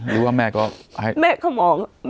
หรือว่าแม่ก็แม่ก็มอง